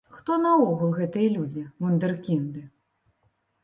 Хто наогул гэтыя людзі, вундэркінды?